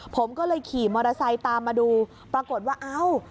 ผมก็เลยขี่มอเตอร์ไซค์ตามมาดูปรากฏว่าเอ้า